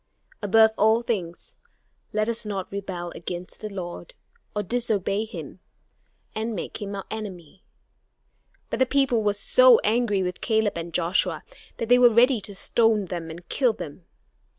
Above all things, let us not rebel against the Lord, or disobey him, and make him our enemy." But the people were so angry with Caleb and Joshua that they were ready to stone them and kill them.